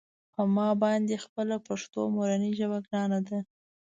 په ما باندې خپله پښتو مورنۍ ژبه ګرانه ده.